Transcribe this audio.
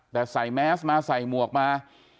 แต่ใส่แมสมาใส่หมวกมา